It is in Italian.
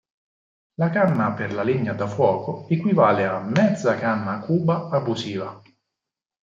La canna per la legna da fuoco equivale a mezza canna cuba abusiva.